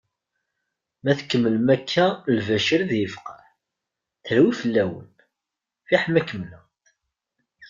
Ma tkemmlem akka Lbacir ad yefqeɛ, terwi fell-awen, fiḥel ma kemmleɣ-d.